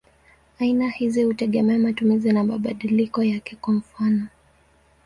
Aina hizi hutegemea matumizi na mabadiliko yake; kwa mfano.